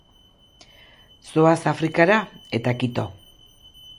Zoaz Afrikara, eta kito.